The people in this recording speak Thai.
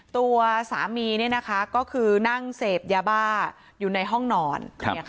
ตัวสามีก็คือนั่งเสพยาบ้าอยู่ในห้องนอน